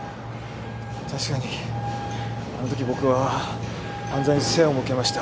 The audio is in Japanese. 確かにあの時僕は犯罪に背を向けました。